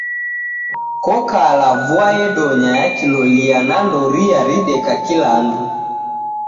Kokala vua yedonya ya kilolia na ndoria rideka kila andu